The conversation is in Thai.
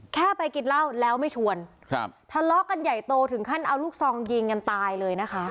แค่ไปกินเหล้าแล้วไม่ชวนครับทะเลาะกันใหญ่โตถึงขั้นเอาลูกซองยิงกันตายเลยนะคะ